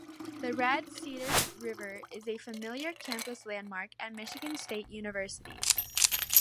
The Red Cedar River is a familiar campus landmark at Michigan State University.